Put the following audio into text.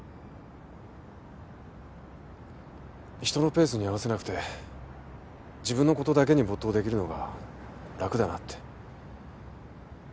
人のペースに合わせなくて自分のことだけに没頭できるのが楽だなって。